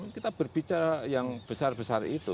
kita berbicara yang besar besar itu